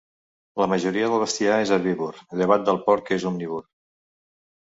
La majoria del bestiar és herbívor, llevat del porc que és omnívor.